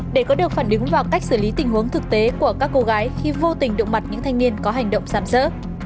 để có được phản ứng vào cách xử lý tình huống thực tế của các cô gái khi vô tình động mặt những thanh niên có hành động sảm sỡ